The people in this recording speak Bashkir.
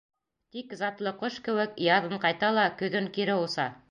Тик затлы ҡош кеүек, яҙын ҡайта ла көҙөн кире оса.